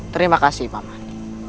terima kasih paman